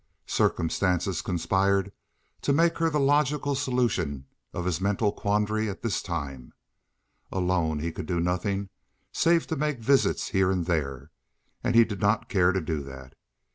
Circumstances conspired to make her the logical solution of his mental quandary at this time. Alone he could do nothing save to make visits here and there, and he did not care to do that.